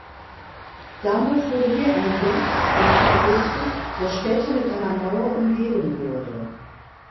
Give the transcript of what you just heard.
Damals wurde hier ein Bergfried errichtet, der später mit einer Mauer umgeben wurde.